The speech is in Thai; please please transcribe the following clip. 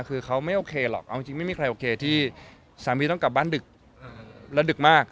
คือเขาไม่โอเคหรอกเอาจริงไม่มีใครโอเคที่สามีต้องกลับบ้านดึกและดึกมาก